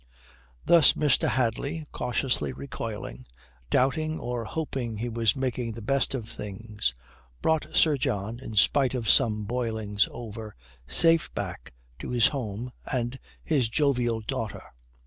Thus Mr. Hadley, cautiously recoiling, doubting or hoping he was making the best of things, brought Sir John, in spite of some boilings over, safe back to his home and his jovial daughter.